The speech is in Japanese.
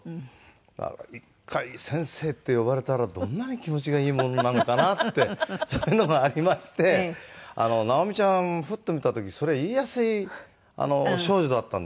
だから１回先生って呼ばれたらどんなに気持ちがいいものなのかなってそんなのがありまして直美ちゃんフッと見た時それ言いやすい少女だったんですよ。